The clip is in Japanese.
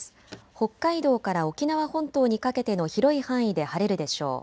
北海道から沖縄本島にかけての広い範囲で晴れるでしょう。